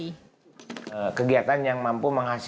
เขาบอกว่าการออกกำลังกายลักษณะนี้